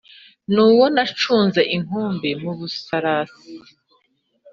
N’uwo nacuze inkumbi mu Busarasi